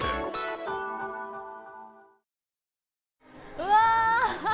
うわ！